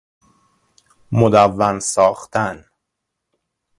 مدون ساختن